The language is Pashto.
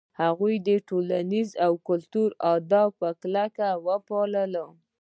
هغوی ټولنیز او کلتوري آداب په کلکه وپالـل.